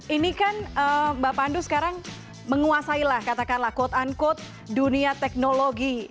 ini kan mbak pandu sekarang menguasailah katakanlah quote unquote dunia teknologi